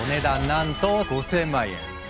なんと５，０００万円。